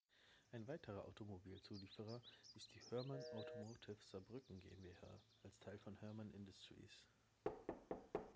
Ein weiterer Automobilzulieferer ist die Hörmann Automotive Saarbrücken GmbH als Teil von Hörmann Industries.